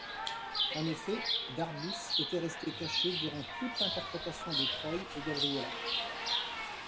En effet, Darbus était restée cachée durant toute l'interpretation de Troy et Gabriella.